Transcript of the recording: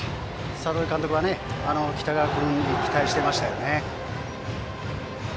里井監督は北川君に期待してましたよね。